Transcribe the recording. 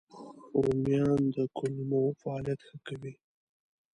رومیان د کولمو فعالیت ښه کوي